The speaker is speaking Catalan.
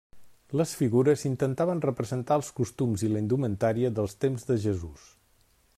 Les figures intentaven representar els costums i la indumentària del temps de Jesús.